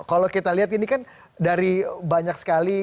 kalau kita lihat ini kan dari banyak sekali